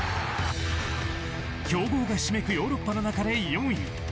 強豪がひしめくヨーロッパの中で４位。